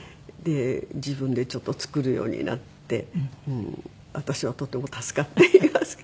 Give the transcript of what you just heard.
自分でちょっと作るようになって私はとても助かっていますけど。